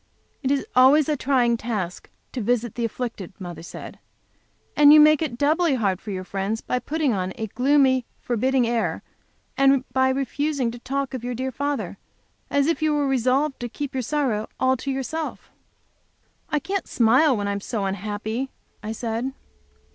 "It is always a trying task to visit the afflicted," mother said, "and you make it doubly hard to your friends by putting on a gloomy, forbidding air, and by refusing to talk of your dear father, as if you were resolved to keep your sorrow all to yourself." "I can't smile when I am so unhappy," I said.